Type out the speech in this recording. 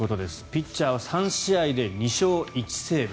ピッチャーは３試合で２勝１セーブ。